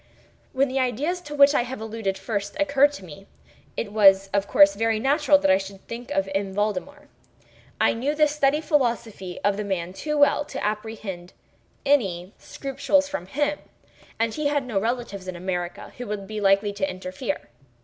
When the ideas to which I have alluded first occurred to me, it was of course very natural that I should think of M. Valdemar. I knew the steady philosophy of the man too well to apprehend any scruples from him; and he had no relatives in America who would be likely to interfere.